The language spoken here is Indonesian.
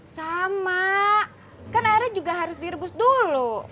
sama kan airnya juga harus direbus dulu